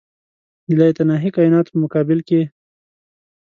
د لایتناهي کایناتو په مقابل کې.